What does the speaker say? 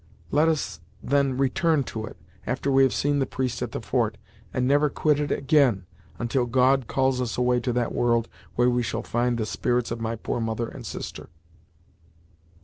Let us then return to it, after we have seen the priest at the fort, and never quit it again, until God calls us away to that world where we shall find the spirits of my poor mother and sister."